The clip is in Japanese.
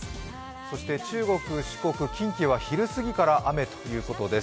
そして、中国、四国、近畿は昼過ぎから雨ということです。